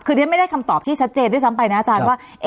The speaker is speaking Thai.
คือเรียนไม่ได้คำตอบที่ชัดเจนด้วยซ้ำไปนะอาจารย์ว่า